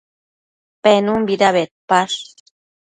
Penunbida bedpash?